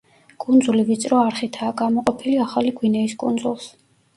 კუნძული ვიწრო არხითაა გამოყოფილი ახალი გვინეის კუნძულს.